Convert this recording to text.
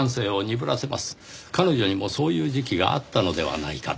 彼女にもそういう時期があったのではないかと。